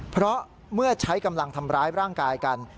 เพราะเมื่อใช้กำลังทำร้ายร่างกายกัน